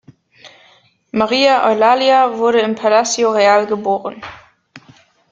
María Eulalia wurde im Palacio Real geboren.